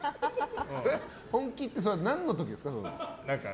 本気って何の時ですか？